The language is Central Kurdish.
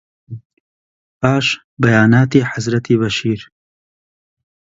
پاش بەیاناتی حەزرەتی بەشیر